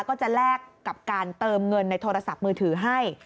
ก็จะแลกกับการเติมเงินในโทรศัพท์มือถือให้